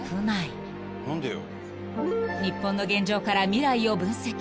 ［日本の現状から未来を分析］